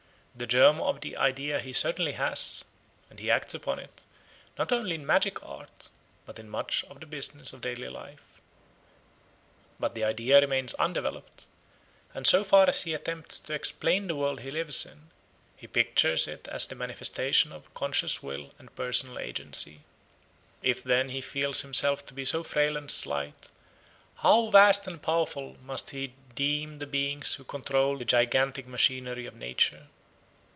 The germ of the idea he certainly has, and he acts upon it, not only in magic art, but in much of the business of daily life. But the idea remains undeveloped, and so far as he attempts to explain the world he lives in, he pictures it as the manifestation of conscious will and personal agency. If then he feels himself to be so frail and slight, how vast and powerful must he deem the beings who control the gigantic machinery of nature!